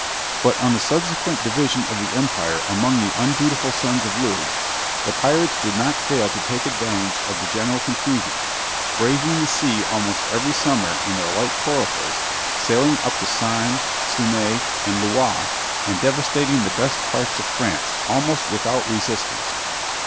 But on the subsequent division of the empire among the undutiful sons of Louis, the pirates did not fail to take advantage of the general confusion; braving the sea almost every summer in their light coracles, sailing up the Seine, the Somme, or the Loire, and devastating the best parts of France, almost without resistance.